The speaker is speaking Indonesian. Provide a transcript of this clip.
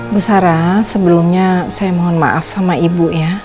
bu sarah sebelumnya saya mohon maaf sama ibu ya